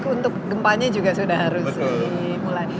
untuk gempanya juga sudah harus dimulai